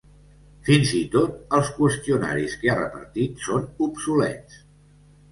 Fins i tot els qüestionaris que ha repartit són obsolets.